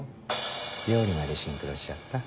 料理までシンクロしちゃった。